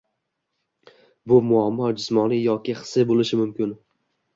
Bu muammo jismoniy yoki hissiy bo‘lishi mumkin.